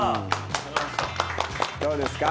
どうですか？